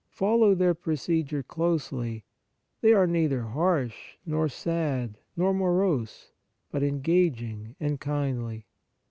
Follow their procedure closely. They are neither harsh, nor sad, nor morose, but engaging and kindly.